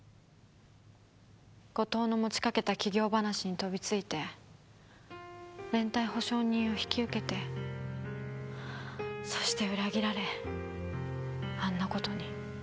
後藤の持ちかけた起業話に飛びついて連帯保証人を引き受けてそして裏切られあんなことに。